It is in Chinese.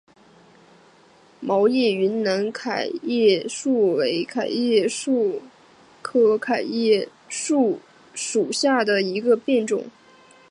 毛叶云南桤叶树为桤叶树科桤叶树属下的一个变种。